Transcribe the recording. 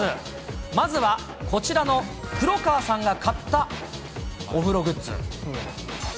まずは、こちらの黒川さんが買ったお風呂グッズ。